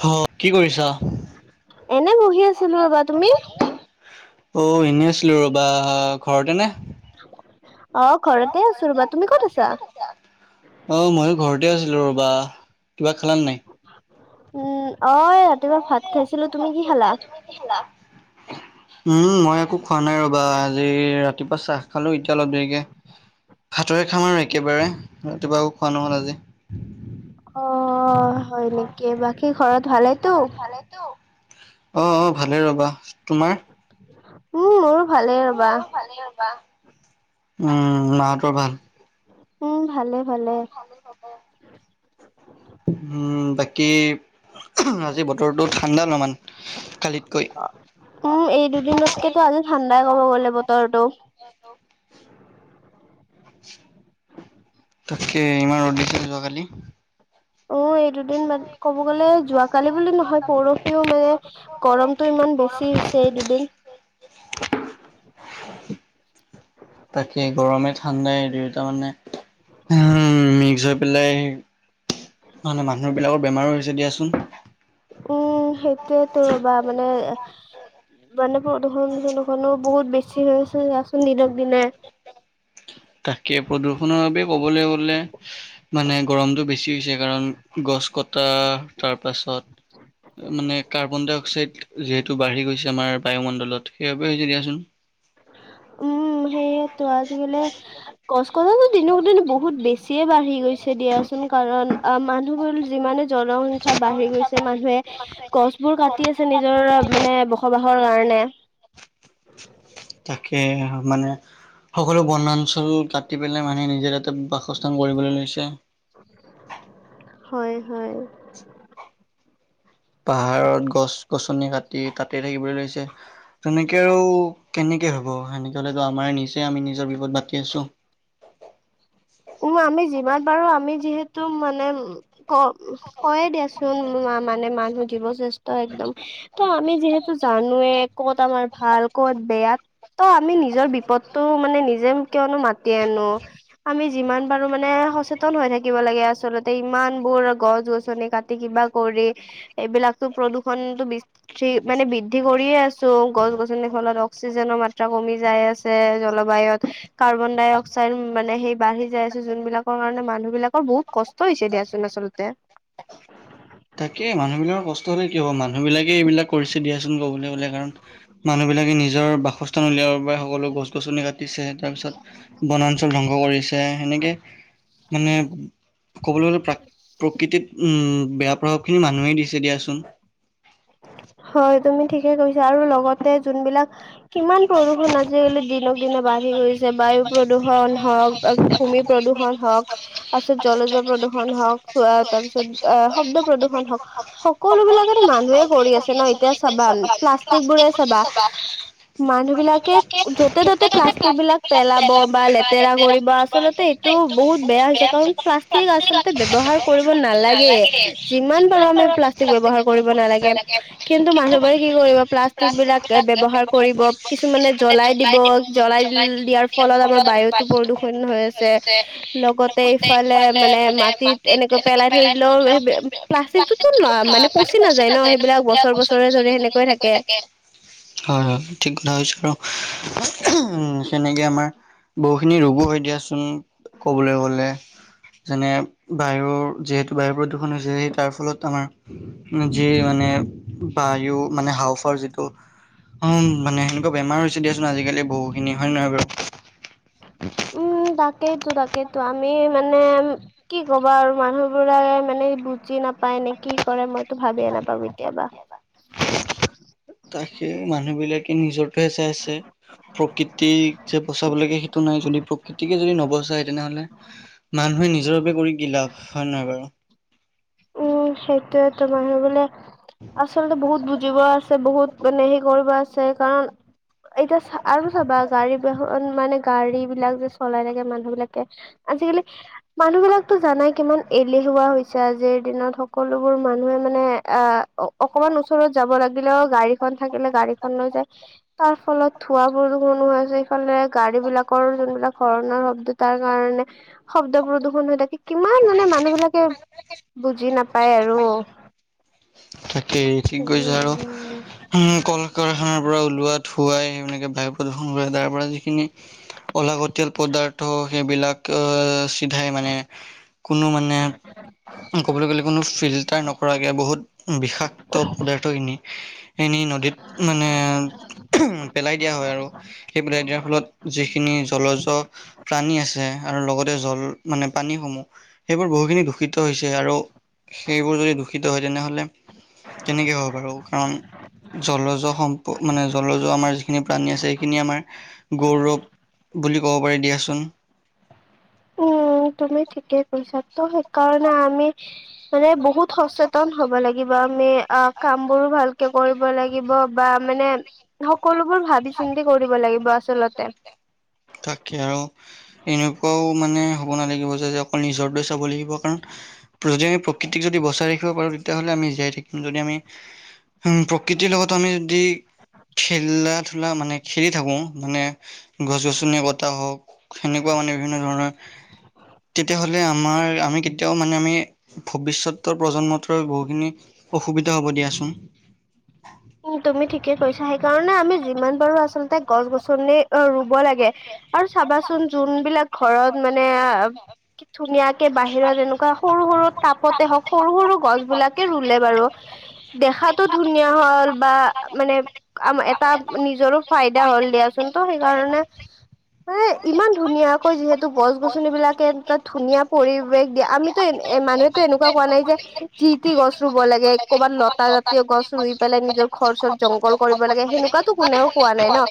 হ কি কৰিছা? এনে বহি আছিলো ৰ'বা তুমি? অ, এনেই আছিলো ৰ'বা ঘৰতে নে? আহ, ঘৰতে আছো ৰ'বা তুমি ক'ত আছা? বা কিবা খেলা নাই? উম, অ, ৰাতিপুৱা ভাত খাইছিলো তুমি কি খালা? উম, মই একো খোৱা নাই ৰ'বা। আজি ৰাতিপুৱা চাহ খালো। এতিয়া অলপ দেৰিকে হাতৰে খাম আৰু একেবাৰে। ৰাতিপুৱাও খোৱা নহ'ল আজি। অ'। হয় নেকি অ, বাকী ঘৰত মাকি ভালেতো খৰ হাললেতো? অ', অ', ভালে ৰ'বা তোমাৰ? উও। ভালবা উম, মাহতৰ ভাল। উম, ভালে। ভালে ভালো ক'ব। উম, বাকি? আজি বতৰটো ঠাণ্ডা অলপমান কালিতকৈ। উম, এই দুদিনতকেতো আজি ঠাণ্ডাই কব গ'লে বতৰটো। তে, ইমান উদ্দেশ্য যোৱা কালি। উ, এই দুদিন ব, ক'ব গ'লে যোৱাকালি বুলি নহয় পৰহিও মানে গৰমতটো ইমান বেছি চিছে এই, দুদিন। [unintelligible] তাকে গৰমে, ঠাণ্ডাই দুয়োটা মানে উ, মিকিকস হৈ পিলাই ম নে মানুহ বিলাকৰ বেমাৰো হৈছে দিয়াচোন। উম, সেইটোয়েতো ৰ'বা মানে, মানে প্ৰদূখনো বহুত বেছি হৈছে। তাকে প্ৰদূষণৰ বাবে কবলৈ গলে মানে গৰমটো বেছি হৈছে কাৰণ গছ কটা তাৰ পাছত মানে কাৰ্বন ডাই অক্সাইড যিহেতু বাঢ়ি গৈছে আমাৰ বায়ুমণ্ডলত সেইবাবে হৈছে দিয়াচোন। উম, সেইয়েতো আজিকালি কষ্ট কথা দিনক দিন বহুত বেছিয়ে বাঢ়ি গৈছে দিয়াচোন কাৰণ আ মানুহবোৰ যিমানে জনসংখ্যা বাঢ়ি গৈছে মানুহে গছবোৰ কাটি আছে নিজৰ মানে বসবাসৰ কাৰণে। [inaudible] তাকেহে মানে সকলো বনাঞ্চল কাটি পেলাই মানে নি ইয়াতে বাসস্থান কৰিবলৈ লৈছে। হয়, হয়। পাহাৰত গছ গছনি কাটি তাতে থাকিবলৈ লৈছে তেনেকে আৰু কেনে সক হ'ব সেনেকে হলেতো আমাৰ নিজে আমি নিজৰ বিপদ মাতি আছো। উম, আমি যিমান পাৰো আমি যিহেতু মানে ক কয়ে দিয়াছো মানে মানুহ যিৱ শ্ৰেষ্ঠ একদম ত আমি যিহেতু জানে ক'ত আমাৰ ভাল ক'ত বেয়া ত আমি নিজৰ বিপদতটো মানে নিজ যে কিয়নো মাতি আনো, আমি যিমান পাৰো মানে সচেতন হৈ থাকিব লাগে আচলতে ইমান বোৰ গছ গছনি কাটি কিবা কৰি এইবিলাকো প্ৰদূষণটো বৃষ্টি মানে বৃদ্ধি কৰিয়ে আছো গছ গছনি ফলত। সচিজেনৰ মাত্ৰা কমি জাই আছে জলবাইত কৰ্বন্দাই অক্সাইড মানে বাঢ়ি যাই আছো যোনবিলাকৰ কাৰণে মানুহ বিলাকৰ বহুত কষ্ট হৈছে দিয়াচোন আচলতে। [inaudible] তাকে মানুহ বিলাকৰ কষ্ট হলে কি হ'ব মানুহ বিলাকে এইবিলাক কৰিছে দিয়াচোন ক'বলৈ বোলে কাৰণ মানুহ বিলাকে নিজৰ বাসস্থ উলিয়াব পৰা সকল গছ গছনি কাটিছে তাৰপিছত বনাঞ্চল ধ্বংস কৰিছে সেনেকে মানে ক'বলৈ গ'লে প্ৰাক প্ৰকৃতিত উম, বেয়া প্ৰভাৱ খিনি মানুহেই দিছে দিয়াচোন। হয় তুমি ঠিকে কৈছা আৰু লগতে যোনবিলাক কিমান প্ৰদূষণ আজিকালি দিনক দিনে বাঢ় কৰিছে বায়ু প্ৰদূষণ হওক ভূমি প্ৰদূষণ হক তাৰপিছত জলজ প্ৰদূষন হওক তাৰপিছত আহ শব্দ প্ৰদূৰণ হওক সকলো বিলাকো মানুহে কৰি আছে ন এতিয়া চাবা প্লাষ্টিক বোৰে চাবা মানুহ বিলাকে যতে ততে প্লাষ্টিক বিলাক পেলাব বা লেতেৰা কৰিব আচল্ততে এই বহুত বেয়া হৈছে কাৰণ প্লাষ্টিক আচলতে ব্যৱহাৰ কৰিব নালাগে যিমান পাৰো আমি প্লাষ্টি ব্যৱহাৰ কৰিব নালাগে কিন্তু মানুহবাৰে কি কৰিব প্লাষ্টিক বিলাক ব্যৱহাৰ কৰিব কিছুমানে জ্বলাই দিব জ্বলাই দিল দিয়াৰ ফলত আমাৰ বায়ুতো প্ৰদূষণ হৈ আছে লগতে ইফালে মানে মাটিত এনেকৈ পেলাই থৈ দিলে সেইবিল প্লাষ্টিক টোতো মানে পচি নাযায় ন সেইবিলাক বছৰ বছৰ হয় হয় ঠিক কথাছো আৰু উম, নেকে আমাৰ বহু খিনি ৰোগো হয় দিয়া চুন ক'ব লৈ গলে। যেনে বায়ুৰ যিহেতু বায়ু প্ৰদূষণ হৈছে সেই তাৰ ফলত আমাৰ যি মানে বা ই মানে হাউফৰ যিটো অ' মানে সেনেকুৱা বেমাৰ হৈছে দিয়াচোন আজিকালি বহু খিনি হয় নে নহয় বাৰু উম, তাক তাকেই তাকেইতো আমি মানে কি ক'বা আৰু মানুহ বোৰে মানে বুজি নাপায় নে কি কৰে মইতো ভাবিয়ে নাপাওঁ কেতিয়াবা। তাকে মানুহ বিলাকে নিজৰহে চাইছে। প্ৰকৃতিক যে বচাব লাগে সেইটো নাই যদি প্ৰকৃতিকে যদি নবচায় তেনেহ'লে মানুহ মানহে নিজৰ বাবে কৰি কি লাভ হয় নহয় বাৰু। উম, সেইটোয়েতো মানুহে বোলে আচলতে বহুত বুজিব আছে বহুত মানে হেই কৰিব আছে কাৰণ এতিয়া চ আৰু চাবা গাড়ী বাহন মানে গাড়ী বিলাক যে চলাই থাকে মানুহ বিলাকে আজিকালি মানুহ বিলাকতো জানাই কিমান এলেহুৱা হৈছে আজিৰ দিনত সকলোবোৰ মানুহে মানে অ অকমান ওচৰত যাব লাগিলেও গাড়ীখনন থাকিলে গাড়ী গাডীখন লৈ যায় তাৰ ফলত ধোৱা প্ৰদূষণ হৈ আছে সফালে গাড়ী বিলাকৰ যোনবিলাক হৰ নৰ শব্দ তাৰ কাৰণে শব্দ প্ৰদূষন হৈ থাকে কিমান মানে মানুহ বিলাকে বুজি নাপায় আৰু তাকেই ঠিক কৈছে আৰু কাৰখানাৰ পৰা ওলোৱাত ধুৱাই তেনেকৈ বায়ু প্ৰদূষণ কৰে তাৰ পৰা যিখিনি অলাগতিয়াল পদাৰ্থ সেইবিলাক চিধাই মানে কোনো মানে ক'ব গলে কোনো ফিল্টাৰ নকৰাকে বহুত বিষাক্ত পদাৰ্থখিনি এনেই নদীত মানে পেলাই দিয়া হয় আৰু সেই পেলাই দিয়াৰ ফলত যিখিনি জলজ প্ৰাণী আছে আৰু লগত জল মানে পানীসমূহ সেইবোৰ বহুখিনি দূষিত হৈছে আৰু সেইবোৰ যদি দূষিত হয় তেনেহ'লে কেনেকে হয় বাৰু কাৰণ জলজ সম্প মানে জলজ আমাৰ যিখিনি প্ৰাণী আছে সেইখিনি আমাৰ গৌৰৱ বুলি ক'ব পাৰি দিয়াচোন। উম, তুমি ঠিকেই কৈছা ত' সেইকাৰণে আমি মানে বহুত সচেতন হ'ব লাগিব আমি। অ', কাম বোৰো ভালকে কৰিব লাগিব বা মানে সকলো বোৰ ভাবি চিন্তি কৰিব লাগিব আচলতে। তাকে আৰু এনেকুৱাও মানে হ'ব নালাগিব যে অকল নিজৰ দৰে চাব লাগিব কাৰণ যদি আমি প্ৰকৃতিক যদি বচাই ৰাখিব পাৰো তেতিয়াহলে আমি জীয়াই থাকিম যদি আমি হম, প্ৰকৃতিৰ লগত আমি যদি খেলা ধূলা মানে খেলি থাকো মানে ত হওক সেনেকুৱা মানে বিভিন্ন ধৰণৰ তেতিয়াহ'লে আমাৰ আমি কেতিয়াও মানে আমি ভৱিষ্যতৰ প্ৰজন্মটোৰ বহুখিনি অসুবিধা হ'ব দিয়াচোন। উম, তুমি ঠিকে কৈছা সেইকাৰণে আমি যিমান পাৰো আচলতে গছ গছনি ৰুব লাগে আৰু চাবাচোন যোনবিলাক ঘৰত মানে কি ধুনীয়াকে বাহিৰত এনেকুৱা সৰু সৰু তাপতে হওঁক সৰু সৰু গছবিলাকে ৰুলে বাৰু দেখাতো ধুনীয়া হ'ল বা মানে আ এটা নিজৰো ফাইদা হ'ল দিয়াচোন তো সেইকাৰণে মানে ইমান ধুনীয়াকৈ যিহেতু গছ গছনিবলাকে এটা ধুনীয়া পৰিৱেশ দিয়ে আমিতো এ এ মানুহেতো এনেকুৱা কোৱা নাই যে যি টি গছ ৰুব লাগে কবাত লতা জাতীয় গছ ৰুই পেলাই নিজৰ ঘৰৰ ওচৰত জংঘল কৰিব লাগে সেনেকুৱাতো কোনেও কোৱা নাই ন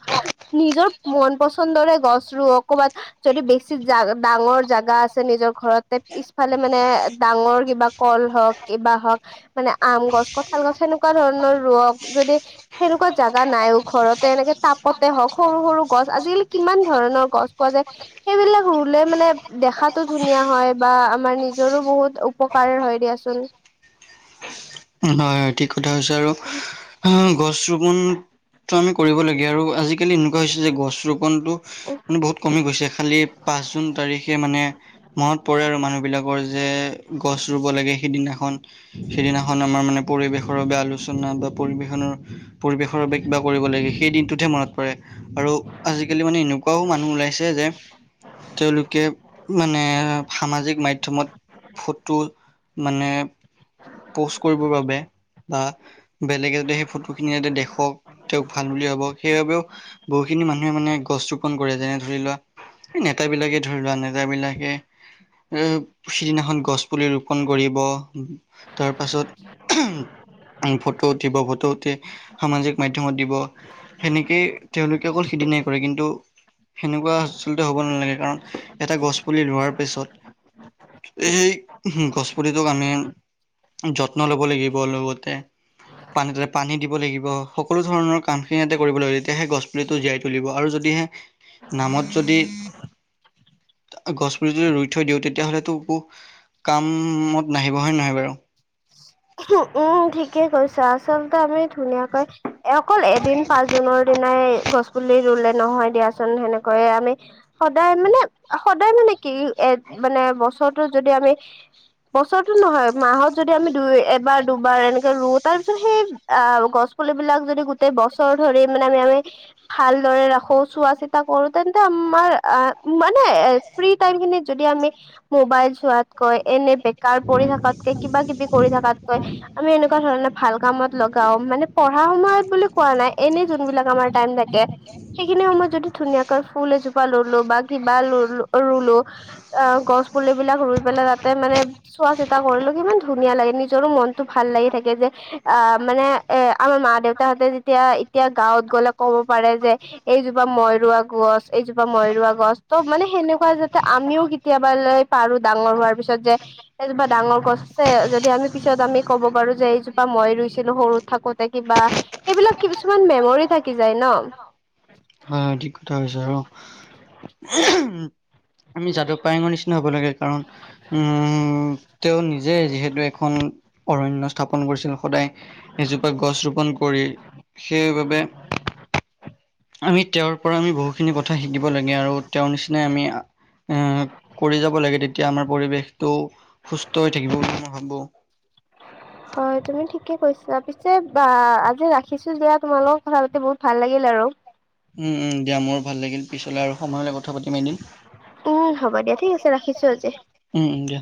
নিজ ৰ মন পছন্দৰে গছ ৰুৱক ক'ৰবাত যদি বেছি জ ডাঙৰ জেগা আছে নিজৰ ঘৰত। পিছফালে মানে ডাঙৰ কিবা কল হওক কিবা হওক মানে আম গছ কঠাল গছ সেনেকুৱা ধৰণৰ ৰোৱক। যদি সেনেকুৱা জাগা নাই ও ঘৰতে এনেকে তাপতে হওক সৰু সৰু গছ আজিকালি কিমান ধৰণ গছ পোৱা যায় সেইবিলাক ৰুলে মানে দেখাতো ধুনীয়া হয় বা আমাৰ নিজৰো বহুত বহুত উপকাৰ হয় দিয়াচোন। হয় হয় ঠিক কথা কৈছা আৰু গছ ৰোপন টো আমি কৰিব লগীয়া আৰু আজিকালি এনেকুৱা হৈছে যে গছ ৰোপনটো মানে বহুত কমি গৈছে খালি পাঁচ জুন তাৰিখে মানে মহত পৰে আৰু মানুহ বিলাক ৰ যে গছ ৰুলে লাগে সেইদিনাখন সেইদিনা খন আমাৰ মানে পৰিেশৰ বাবে আলোচনা বা পৰিেশনৰ পৰিবেশৰ বাবে কিবা কৰিব লাগে সেই দিনটোতে মনত পৰে আৰু আজিকালি মানে এনেকুৱাও মানুহ ওলাইছে যে তেওঁলোকে মানে সামাজিক মাধ্যমত ফটো মানে প'ষ্ট কৰিবৰ বাবে বা বেলেগে যাতে সেই ফটো খিনি যাতে দেখক তেওঁক ভাল বুলি ভাবক সেইবাবেও বহুখিনি মানুহে মানে প্ৰস্তুপ্ৰণ কৰি আছে। এনে ধৰি লোৱা এই নেতা বিলাকে ধৰি লোৱা নেতা বিলাকে এই সিদিনাখন গছ পুলি ৰোপন কৰিব। তাৰপাছত। উম, ফটো উঠিব ফটো উঠি সামাজিক মাধ্যমত দিব সেনেকে তেওঁলোকে অকল সি এনে কৰে কিন্তু সেনেকুৱা আচলতে হ'ব নালাগে কাৰণ এটা গছ পুলি ৰোৱাৰ পেছত এই উমহ, গছপুলিটোক আমি যত্ন ল'ব লাগিব লগতে পানী তাতে পানী দিব লাগিব। সকলো ধৰণৰ কামখিনি ইয়াতে কৰিব লাগিবে, তেতিয়াহে গছ পুলিটো জীয়াই তুলিব আৰু যদ দিহে নামত যদি গছপুলি যদি ৰুই থৈ দিওঁ তেতিয়াহ'লে টোকো কাম অত নাহিব হয় নহয় বাৰু। উম, ঠিকেই কৈছা, আচলতে আমি ধুনীয়াকৈ এই অকল এদিন পাঁচ জোনৰ দিনাই গছ পুলি ৰুলে নহয় দিয়াচোন সেনেকৈয়ে আমি সদায় মানে সদায় মানে কি এ এত, মানে বছৰটোত যদি আমি বছৰটো নহয় মাহত যদি আমি দুই এবাৰ দুবাৰ এনেকে ৰু তাৰ পিছত সেই আ, গছ পুলিবিলাক যদি গোটেই বছৰ ধৰি মানে আমি [unintelligible] তই ভালদৰে ৰাখো, চোৱা চিতা কৰো তেন্তে আমাৰ আ, মানে এ, ফ্ৰী টা টাইমখিনিত যদি আমি মবাইল চোৱাতকৈ এনে বেকাৰ পৰি থাকাতকে কিবা কিবি কৰি থাকাত কৈ, আমি এনেকুৱা ধৰণে ভাল কামত লগাও। মানে পঢ়া সময়ত বুলি কোৱা নাই এনে যোনবিলাক আমাৰ টাইম থাকে। সেইখিনি সময়ত যদি ধুনীয়াকৈ ফুল এজোপা ললোঁ বা কিবা ললোঁ ৰুলো আ, গ গছ পুলিবিলাক ৰুই পেলে তাতে মানে চোৱা চিতা কৰিলো কিমান ধুনীয়া লাগে নি নিজৰো মনতটো ভাল লাগি থাকে যে আ, মানে এ, আমাৰ মা দেউতাহঁতে যেতিয়া এতিয়া গাঁৱত গলে ক'ব পাৰে যে এইজোপা মই ৰুৱা গছ, এইজোপা মই ৰুৱা গছ। ত' মানে সেনেকুৱা যে তে আমিও কেতিয়াবালৈ পাৰো ডাঙৰ হোৱাৰ পিছত যে এজোপা ডাঙৰ গছে যদি আমি পিছত আমি ক'ব পাৰো যে এইজোপা মই ৰুইছিলো সৰু থাকোতে কিবা সেইবিলাক কিছুমান মেমৰি থা থাকি যায় ন'। হয়, হয় ঠিক কথা কৈছা। আৰু আমি যাদু পায়ংৰ নিচিনা হ'ব লাগে। কাৰণ উম, তেওঁ নিজে যিহেতু এখন অৰণ্য স্থাপন কৰিছিল। সদায় এজোপা গছ ৰোপন কৰি সেইবাবে [inaudible] আমি তেওঁৰ পৰা আমি বহুখিনি কথা শিকিব লগীয়া, আৰু তেওঁৰ নিচিনাই আমি আ, এক কৰি যাব লাগে তেতিয়া আমাৰ পৰিৱেশটো সুস্থ হৈ থাকিব বুলি মই ভাবো। হয় তুমি ঠিকে কৈছা। পিছে বা আজি ৰাখিছো দিয়া তোমাৰ লগত কথা পাতি বহুত ভাল লাগিল। আৰু। উম উম, দিয়া মোৰ ভাল লাগিল। পিছলে আৰু সময় হ'লে কথা পাতিম এদিন। উম হ'ব দিয়া ঠিক আছে, ৰাখিছো আজি। উম, উম, দিয়া।